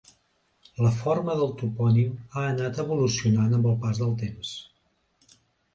La forma del topònim ha anat evolucionant amb el pas del temps.